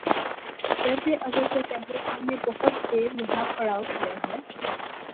ضرب عضب سے پہلے ہم نے بہت دیر یہاں پڑاؤ کیا ہے۔